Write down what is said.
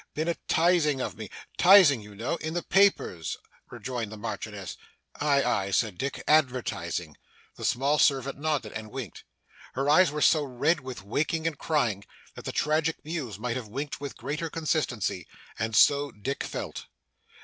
'Been a tizing of me tizing you know in the newspapers,' rejoined the Marchioness. 'Aye, aye,' said Dick, 'advertising?' The small servant nodded, and winked. Her eyes were so red with waking and crying, that the Tragic Muse might have winked with greater consistency. And so Dick felt.